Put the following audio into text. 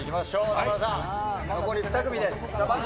南原さん、残り２組です。